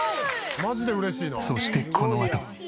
そしてこのあと。